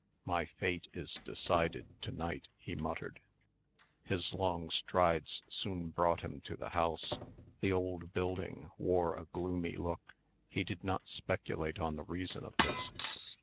"My fate is decided to night," he muttered. His long strides soon brought him to the house. The old building wore a gloomy look. He did not speculate on the reason of this.